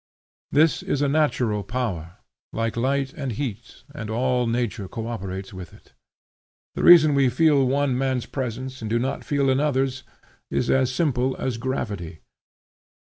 This is a natural power, like light and heat, and all nature cooperates with it. The reason why we feel one man's presence and do not feel another's is as simple as gravity.